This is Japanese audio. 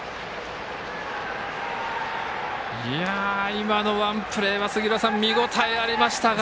今のワンプレーは見応えありましたが。